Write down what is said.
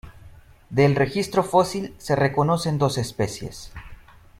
Del registro fósil se reconocen dos especies.